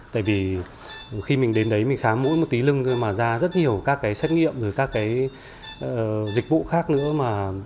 tại vì khi mình đến đấy mình khám mũi một tí lưng thôi mà ra rất nhiều các cái xét nghiệm rồi các cái dịch vụ khác nữa mà